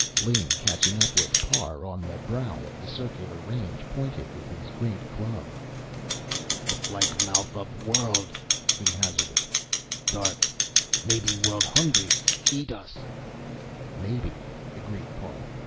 Ling, catching up with Parr on the brow of the circular range, pointed with his great club. "Look like mouth of world," he hazarded. "Dark. Maybe world hungry eat us." "Maybe," agreed Parr.